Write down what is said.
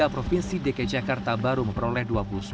provinsi dki jakarta baru memperoleh dua puluh sembilan